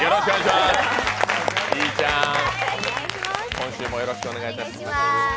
ひぃちゃん、今週もよろしくお願いします。